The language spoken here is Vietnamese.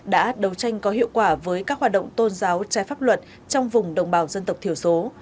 đã đấu tranh có hiệu quả với các hoạt động tôn giáo trái pháp luật trong vùng đồng bào dân tộc thiểu số